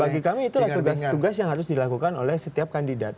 bagi kami itulah tugas tugas yang harus dilakukan oleh setiap kandidat